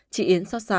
chị yến xót xa